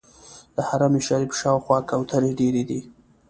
د حرم شریف شاوخوا کوترې ډېرې دي.